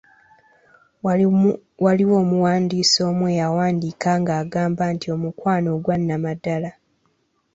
Waliwo omuwandiisi omu eyawandiika nga agamba nti "Omukwano ogwa Nnamaddala"